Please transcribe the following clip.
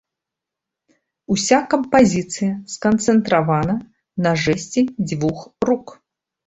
Уся кампазіцыя сканцэнтравана на жэсце дзвюх рук.